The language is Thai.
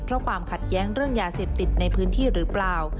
เพราะความขัดแย้งเรื่องยาเสพติดในพื้นที่หรือเปล่า